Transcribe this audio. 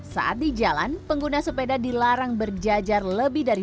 saat di jalan pengguna sepeda dilarang berjajar lebih dari